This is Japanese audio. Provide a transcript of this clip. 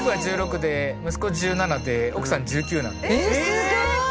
すごい！